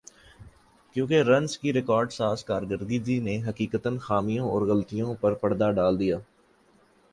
کیونکہ رنز کی ریکارڈ ساز کارکردگی نے حقیقتا خامیوں اور غلطیوں پر پردہ ڈال دیا